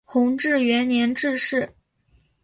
弘治元年致仕。